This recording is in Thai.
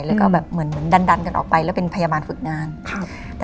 แล้วก็แบบเหมือนเหมือนดันดันกันออกไปแล้วเป็นพยาบาลฝึกงานครับ